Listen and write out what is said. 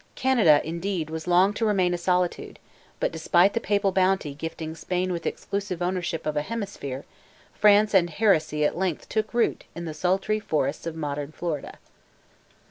Canada, indeed, was long to remain a solitude; but, despite the Papal bounty gifting Spain with exclusive ownership of a hemisphere, France and Heresy at length took root in the sultry forests of modern Florida.